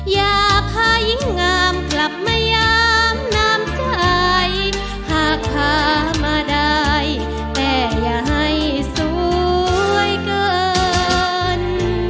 อย่าพายิ่งงามกลับมายามน้ำใจหากพามาได้แต่อย่าให้สวยเกิน